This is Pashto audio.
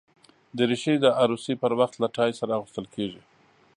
دریشي د عروسي پر وخت له ټای سره اغوستل کېږي.